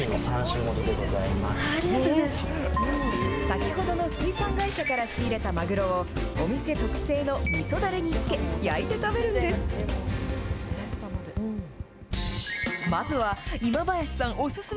先ほどの水産会社から仕入れたマグロを、お店特製のみそだれにつけ、焼いて食べるんです。